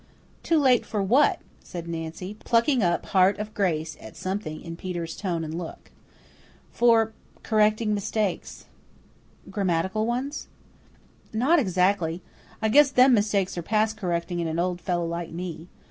"Too late for what?" said Nancy, plucking up heart of grace at something in Peter's tone and look. "For kerrecting mistakes." "Grammatical ones?" "Not exactly. I guess them mistakes are past kerrecting in an old fellow like me.